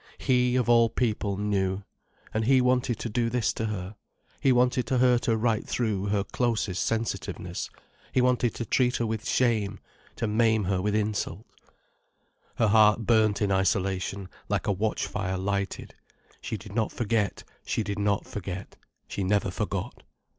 He, of all people, knew. And he wanted to do this to her. He wanted to hurt her right through her closest sensitiveness, he wanted to treat her with shame, to maim her with insult. Her heart burnt in isolation, like a watchfire lighted. She did not forget, she did not forget, she never forgot.